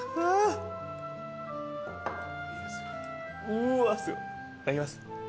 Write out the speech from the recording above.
うわいただきます。